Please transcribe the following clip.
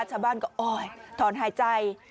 ชาวบ้านก็โอ๊ยถอนหายใจ